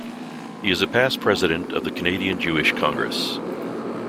He is a past president of the Canadian Jewish Congress.